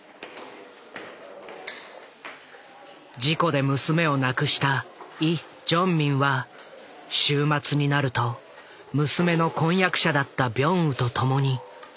事故で娘を亡くしたイ・ジョンミンは週末になると娘の婚約者だったビョンウと共にここを訪れる。